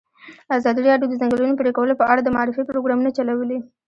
ازادي راډیو د د ځنګلونو پرېکول په اړه د معارفې پروګرامونه چلولي.